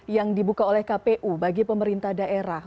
yang dibuka oleh kpu bagi pemerintah daerah